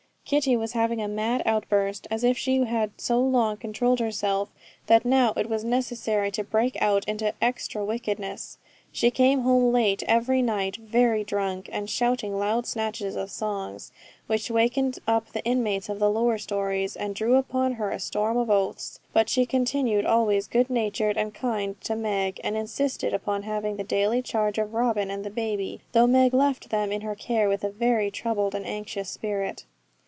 Kitty was having a mad outburst, as if she had so long controlled herself that now it was necessary to break out into extra wickedness. She came home late every night, very drunk, and shouting loud snatches of songs, which wakened up the inmates of the lower stories, and drew upon her a storm of oaths. But she continued always good natured and kind to Meg, and insisted upon having the daily charge of Robin and the baby, though Meg left them in her care with a very troubled and anxious spirit.